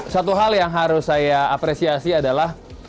satu hal yang harus saya apresiasi adalah